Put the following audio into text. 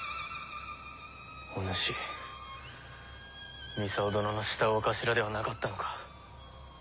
お主操殿の慕う御頭ではなかったのか？